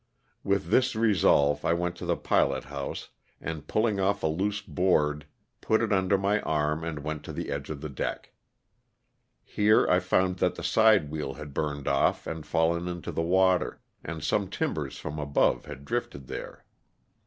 With this resolve I went to the pilot house and pulling off a loose board put it under my arm and went to the edge of the deck. Here I found that the side wheel had burned off and fallen into the water and some timbers from above had drifted there.